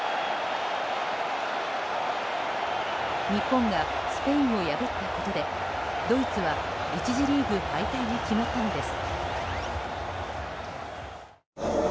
日本がスペインを破ったことでドイツは１次リーグ敗退が決まったのです。